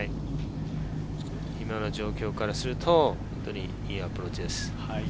今の状況からするといいアプローチです。